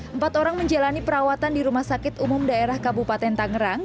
empat orang menjalani perawatan di rumah sakit umum daerah kabupaten tangerang